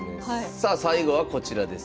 さあ最後はこちらです。